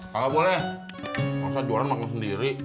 kalau boleh masa jualan mangkuk sendiri